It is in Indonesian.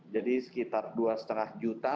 jadi sekitar dua lima juta